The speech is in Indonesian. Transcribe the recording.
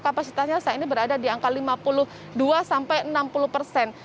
kapasitasnya saat ini berada di angka lima puluh dua sampai enam puluh persen